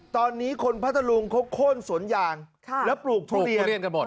ตอนนี้คนพัทธรุงเขาโค้นสวนยางแล้วปลูกทุเรียนกันหมด